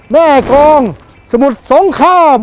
แม่กองสมุดสงคราม